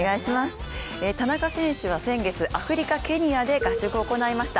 田中選手は先月、アフリカ・ケニアで合宿を行いました。